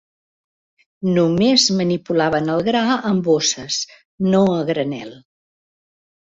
Només manipulaven el gra amb bosses, no a granel.